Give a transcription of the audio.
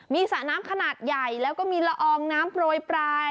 มีสระน้ำขนาดใหญ่แล้วก็มีละอองน้ำโปรยปลาย